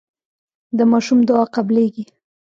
د ماشوم دعا قبليږي.